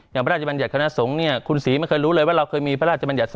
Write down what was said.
พระราชบัญญัติคณะสงฆ์เนี่ยคุณศรีไม่เคยรู้เลยว่าเราเคยมีพระราชบัญญัติ